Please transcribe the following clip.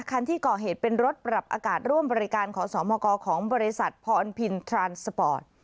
คันที่ก่อเหตุเป็นรถปรับอากาศร่วมบริการขอสมกของบริษัทพรพินทรานสปอร์ต